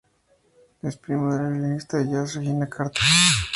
Es primo de la violinista de Jazz Regina Carter.